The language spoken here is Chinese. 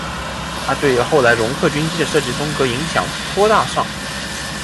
它对于后来容克军机的设计风格影响颇大上。